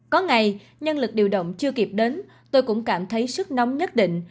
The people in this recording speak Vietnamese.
có ngày nhân lực điều động chưa kịp đến tôi cũng cảm thấy sức nóng nhất định